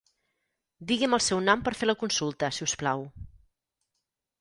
Digui'm el seu nom per fer la consulta si us plau.